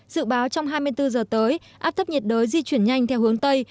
dự báo trong hai mươi bốn giờ tới áp thấp nhiệt đới di chuyển nhanh theo hướng tây